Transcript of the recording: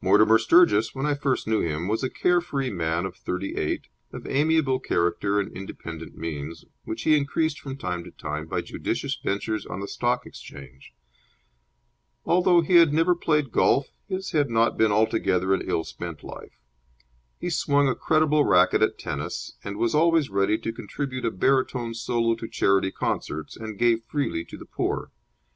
Mortimer Sturgis, when I first knew him, was a care free man of thirty eight, of amiable character and independent means, which he increased from time to time by judicious ventures on the Stock Exchange. Although he had never played golf, his had not been altogether an ill spent life. He swung a creditable racket at tennis, was always ready to contribute a baritone solo to charity concerts, and gave freely to the poor.